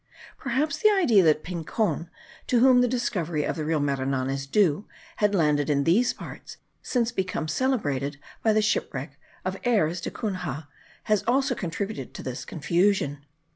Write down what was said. Perhaps the idea that Pincon, to whom the discovery of the real Maranon is due, had landed in these parts, since become celebrated by the shipwreck of Ayres da Cunha, has also contributed to this confusion.